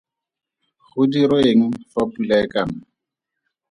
Go dirwe eng fa pula e ka na?